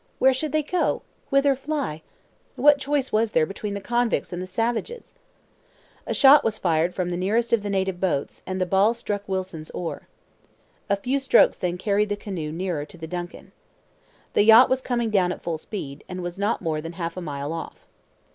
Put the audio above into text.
Where should they go? Whither fly? What choice was there between the convicts and the savages? A shot was fired from the nearest of the native boats, and the ball struck Wilson's oar. A few strokes then carried the canoe nearer to the DUNCAN. The yacht was coming down at full speed, and was not more than half a mile off.